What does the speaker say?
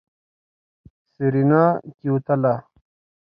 سېرېنا کېوتله.